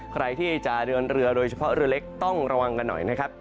ใครที่จะเดินเรือโดยเฉพาะเรือเล็กต้องระวังกันหน่อยนะครับ